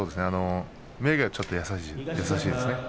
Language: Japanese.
目がちょっと優しいですね。